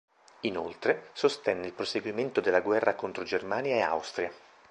Inoltre, sostenne il proseguimento della guerra contro Germania e Austria.